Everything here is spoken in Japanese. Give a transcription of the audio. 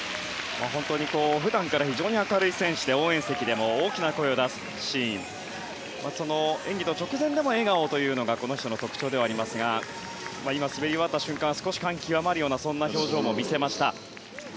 普段から非常に明るい選手で応援席でも大きな声を出すシーン演技の直前でも笑顔というのがこの人の特徴ではありますが滑り終わった瞬間感極まるようなそんな表情も見せました。